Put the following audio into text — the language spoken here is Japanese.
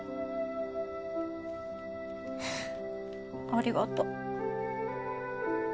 ありがと。